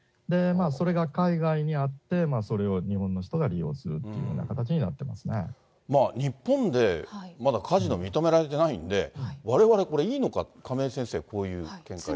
それが海外にあって、それを日本の人が利用するっていうような形日本で、まだカジノ認められてないんで、われわれこれ、いいのか、亀井先生、こういう見解です。